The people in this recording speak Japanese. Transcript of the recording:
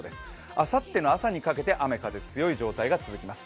あさっての朝にかけて雨風強い状態が続きます。